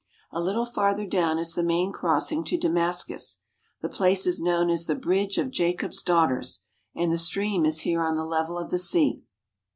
A little farther down is the main crossing to Damascus. The place is known as the Bridge of Jacob's Daughters, and the stream is here on the level of the sea.